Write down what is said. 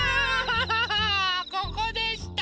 ここでした！